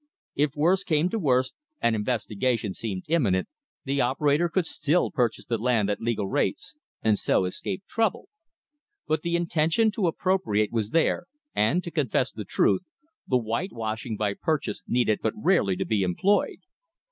If worst came to worst, and investigation seemed imminent, the operator could still purchase the land at legal rates, and so escape trouble. But the intention to appropriate was there, and, to confess the truth, the whitewashing by purchase needed but rarely to be employed.